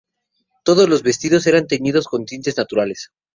Todos los vestidos eran teñidos con tintes naturales.